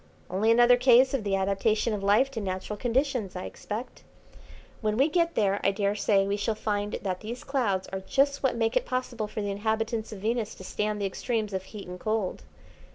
"Only another case of the adaptation of life to natural conditions, I expect. When we get there I daresay we shall find that these clouds are just what make it possible for the inhabitants of Venus to stand the extremes of heat and cold.